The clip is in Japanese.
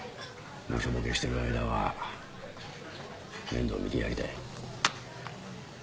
ムショボケしてる間は面倒見てやりたい。